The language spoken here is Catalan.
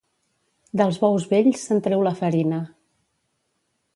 Dels bous vells se'n treu la farina.